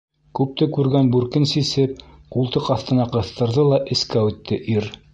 Күпте күргән бүркен сисеп, ҡултыҡ аҫтына ҡыҫтырҙы ла эскә үтте ир.